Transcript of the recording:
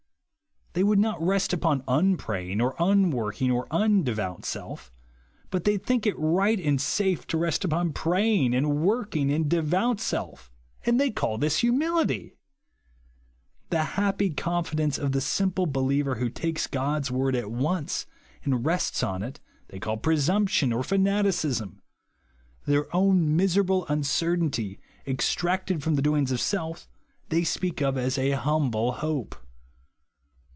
They vvOLild not rest upon unpraying, or it77Avorking, or ^f■7^devollt self; but they think it light and safe to rest upon praying, and luorklng, and de vout self and the}^ call this hitmility ! The happy confidence of the simple believer who takes God's word at once, and rests on it, they call presumption or fanaticism ; their own miserable uncertainty, extracted from the doings of self, they speak of as a humble liope.